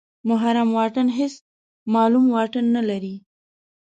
محرم واټن هېڅ معلوم واټن نلري.